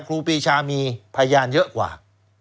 ครูปีชามีพยานเยอะกว่า